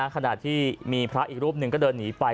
ขณะที่มีพระอีกรูปหนึ่งก็เดินหนีไป